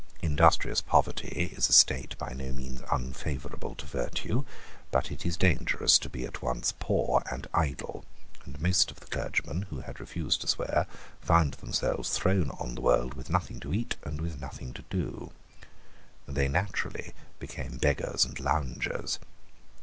Industrious poverty is a state by no means unfavourable to virtue: but it is dangerous to be at once poor and idle; and most of the clergymen who had refused to swear found themselves thrown on the world with nothing to eat and with nothing to do. They naturally became beggars and loungers.